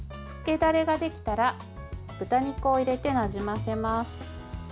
漬けダレができたら豚肉を入れて、なじませます。